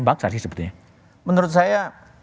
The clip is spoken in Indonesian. bangsa sih sebetulnya menurut saya